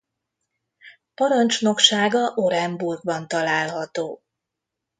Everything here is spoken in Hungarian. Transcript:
Parancsnoksága Orenburgban található.